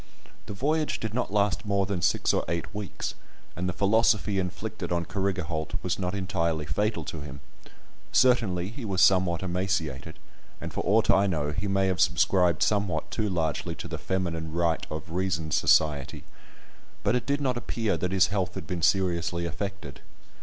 The voyage did not last more than six or eight weeks, and the philosophy inflicted on Carrigaholt was not entirely fatal to him; certainly he was somewhat emaciated, and for aught I know, he may have subscribed somewhat too largely to the "Feminine right of reason Society"; but it did not appear that his health had been seriously affected.